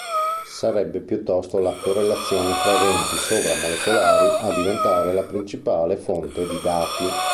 Sarebbe piuttosto la correlazione fra eventi sovra-molecolari a diventare la principale fonte di dati.